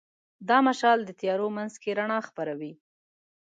دا مشال د تیارو منځ کې رڼا خپروي.